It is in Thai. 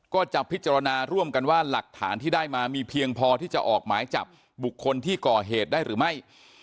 ก็จะพิจารณาร่วมกันว่าหลักฐานที่ได้มามีเพียงพอที่จะออกหมายจับบุคคลที่ก่อเหตุได้หรือไม่